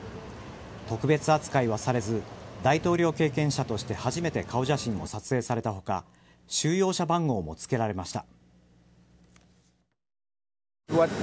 特別扱いはされず大統領経験者として初めて顔写真を撮影された他収容者番号もつけられました。